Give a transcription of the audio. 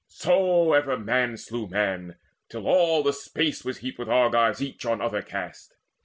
So ever man slew man, till all the space Was heaped with Argives each on other cast.